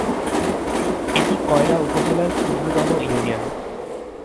এটি কয়রা উপজেলার ক্ষুদ্রতম ইউনিয়ন।